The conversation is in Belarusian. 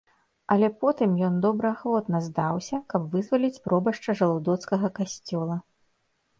Але потым ён добраахвотна здаўся, каб вызваліць пробашча жалудоцкага касцёла.